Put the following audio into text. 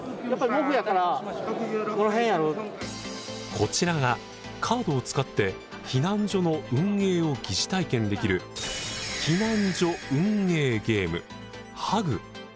こちらがカードを使って避難所の運営を疑似体験できる避難所・運営・ゲーム「ＨＵＧ」。